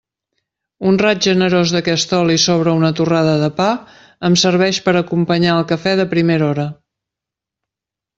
Un raig generós d'aquest oli sobre una torrada de pa em serveix per a acompanyar el café de primera hora.